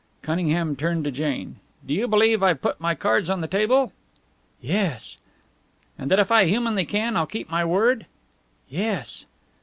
Cunningham turned to Jane. "Do you believe I've put my cards on the table?" "Yes." "And that if I humanly can I'll keep my word?" "Yes."